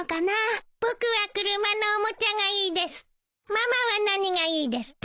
ママは何がいいですか？